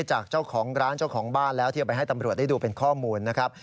จากเจ้าของร้านเจ้าของบ้านแล้วที่เอาไปให้ตำรวจได้ดูเป็นข้อมูลนะครับ